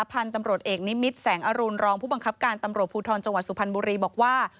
พันธุ์ตำรวจเอกนิมิตรแสงอรุณรองผู้บังคับการตำรวจภูทรจังหวัดสุพรรณบุรีบอกว่า